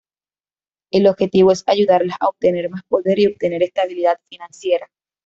El objetivo es ayudarlas a obtener más poder y obtener "estabilidad financiera".